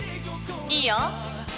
いいよ。